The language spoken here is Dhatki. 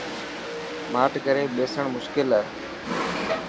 ماٺ ڪري ٻيسڻ مشڪل هي.